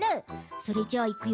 それじゃいくよ